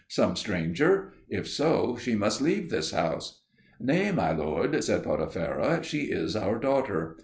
Some stranger? If so, she must leave this house." "Nay, my lord," said Potipherah, "she is our daughter."